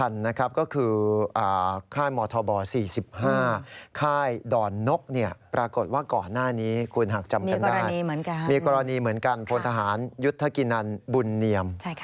ยุทธกินันบุญเนียม